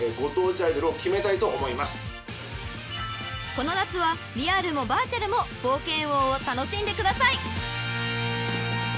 ［この夏はリアルもバーチャルも冒険王を楽しんでください］